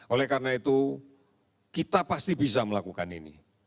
oleh karena itu kita pasti bisa melakukan ini